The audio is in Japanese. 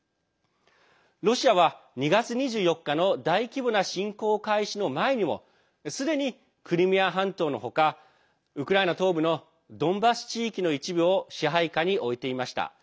ロシアは、２月２４日の大規模な侵攻開始の前にもすでに、クリミア半島の他ウクライナ東部のドンバス地域の一部を支配下に置いていました。